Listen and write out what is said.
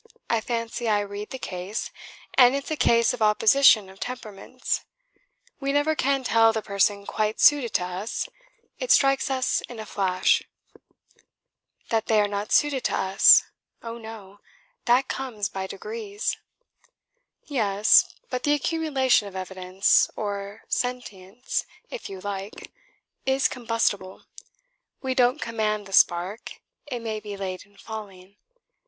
I fancy I read the case; and it's a case of opposition of temperaments. We never can tell the person quite suited to us; it strikes us in a flash." "That they are not suited to us? Oh, no; that comes by degrees." "Yes, but the accumulation of evidence, or sentience, if you like, is combustible; we don't command the spark; it may be late in falling.